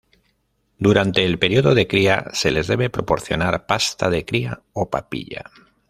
Durante el periodo de cría se les debe proporcionar pasta de cría o papilla.